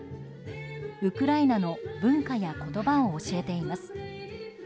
ウクライナの文化や言葉を教えています。